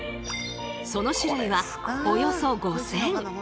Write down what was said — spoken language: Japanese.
その種類はおよそ５，０００！